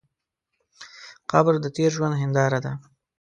قبر د تېر ژوند هنداره ده.